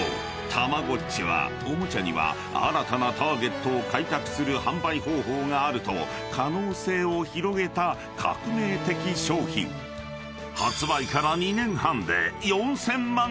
たまごっちはおもちゃには新たなターゲットを開拓する販売方法があると可能性を広げた革命的商品］［発売から］